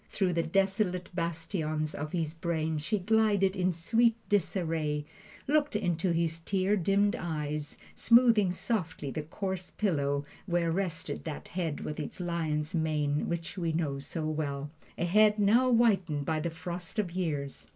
Through the desolate bastions of his brain she glided in sweet disarray, looked into his tear dimmed eyes, smoothing softly the coarse pillow where rested that head with its lion's mane which we know so well a head now whitened by the frost of years.